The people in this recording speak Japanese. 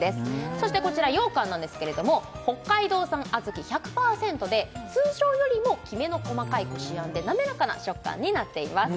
そしてこちら羊羹なんですけれども北海道産小豆１００％で通常よりもきめの細かいこしあんで滑らかな食感になっています